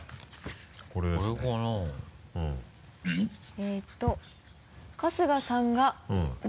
えっと春日さんが。